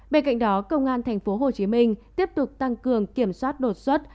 bên cạnh đó công an tp hcm tiếp tục tăng cường kiểm soát đột xuất